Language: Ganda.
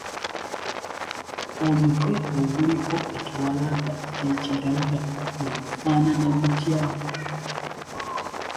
Omutwe oguliko ekiwalaata eky’ekigagga gwe gufaanana gutya?